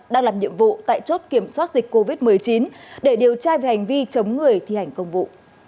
đang làm nhiệm vụ tại chốt kiểm soát dịch covid một mươi chín để điều tra về hành vi chống người thi hành công vụ